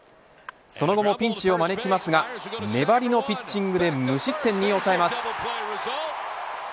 その後もピンチを招きますが粘りのピッチングで無失点に抑えます。